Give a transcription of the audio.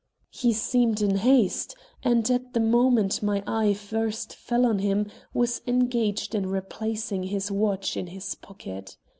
He seemed in haste and, at the moment my eye first fell on him, was engaged in replacing his watch in his pocket.